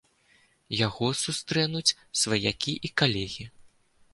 Яго сустрэнуць сваякі і калегі.